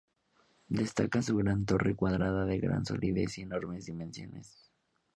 Destaca su gran torre cuadrada de gran solidez y enormes dimensiones.